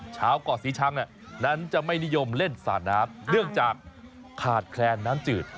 เกาะศรีชังนั้นจะไม่นิยมเล่นสาดน้ำเนื่องจากขาดแคลนน้ำจืด